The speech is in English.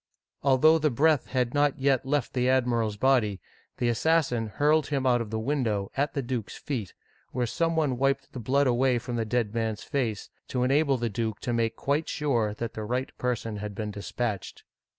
Although the breath had not yet left the admiral's body, the assassin hurled him out of the window, at the duke*s feet, where some one wiped the blood away from the dead man's face, to enable the duke to make quite sure that the right person had been dispatched.